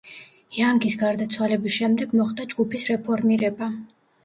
იანგის გარდაცვალების შემდეგ მოხდა ჯგუფის რეფორმირება.